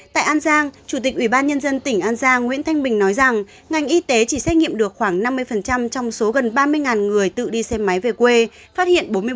tại an giang chủ tịch ủy ban nhân dân tỉnh an giang nguyễn thanh bình nói rằng ngành y tế chỉ xét nghiệm được khoảng năm mươi trong số gần ba mươi người tự đi xe máy về quê phát hiện bốn mươi bốn f